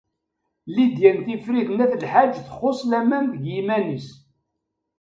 Lidya n Tifrit n At Lḥaǧ txuṣṣ laman deg yiman-nnes.